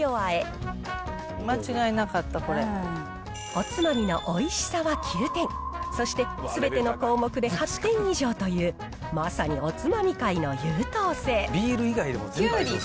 おつまみの美味しさは９点そして全ての項目で８点以上というまさにおつまみ界の優等生。